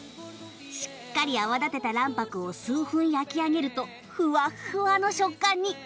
しっかり泡立てた卵白を数分焼き上げるとふわっふわの食感に！